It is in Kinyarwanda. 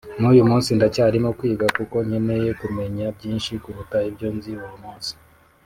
n’uyu munsi ndacyarimo kwiga kuko nkeneye kumenya byinshi kuruta ibyo nzi uyu munsi